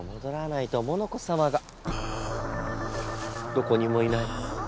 どこにもいない。